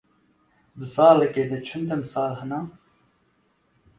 Di salekê de çend demsal hene?